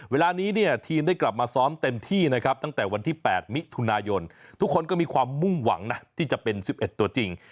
เวลานี้เนี่ยทีมได้กลับมาซ้อมเต็มที่นะครับตั้งแต่วันที่๘มิถุนายนทุกคนก็มีความมุ่งหวังนะที่จะเป็น๑๑ตัวจริง